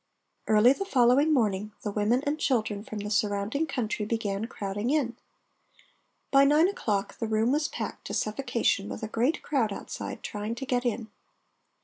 Early the following morning the women and children from the surrounding country began crowding in. By nine o'clock the room was packed to suffocation with a great crowd outside trying to get in.